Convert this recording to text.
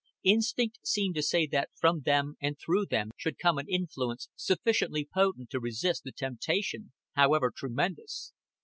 Instinct seemed to say that from them and through them should come an influence sufficiently potent to resist temptation, however tremendous.